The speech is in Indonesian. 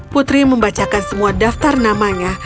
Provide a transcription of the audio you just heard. putri membacakan semua daftar namanya